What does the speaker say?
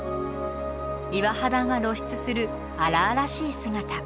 岩肌が露出する荒々しい姿。